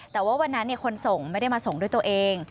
แต่ว่าวันนั้นคนส่งไม่ได้มาส่งด้วยตัวเอง